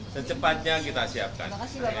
secepatnya kita siapkan